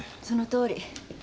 そのとおり。